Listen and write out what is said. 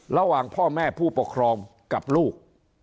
ระหว่างพ่อแม่ผู้ปกครองกับลูก